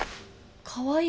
「かわいい」